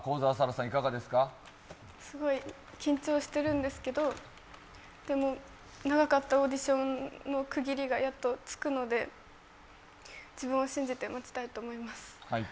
すごい緊張しているんですけど、長かったオーディションの区切りがやっとつくので、自分を信じて待ちたいと思います。